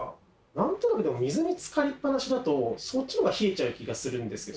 なんとなくでも水に浸かりっぱなしだとそっちのが冷えちゃう気がするんですけど。